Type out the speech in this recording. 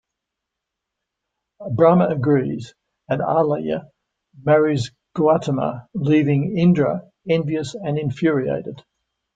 Brahma agrees and Ahalya marries Gautama, leaving Indra envious and infuriated.